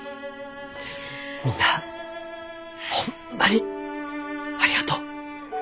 みんなホンマにありがとう。